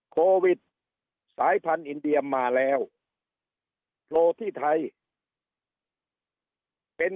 โควิดสายพันธุ์อินเดียมาแล้วโผล่ที่ไทยเป็น